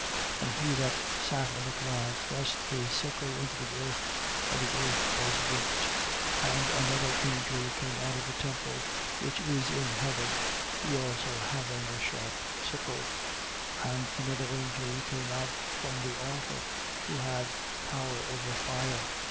14:16. And he that sat on the cloud thrust his sickle into the earth: and the earth was reaped. 14:17. And another angel came out of the temple which is in heaven, he also having a sharp sickle. 14:18. And another angel came out from the altar, who had power over fire.